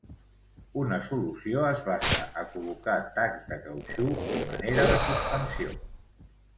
Una solució es basa a col·locar tacs de cautxú a manera de suspensió.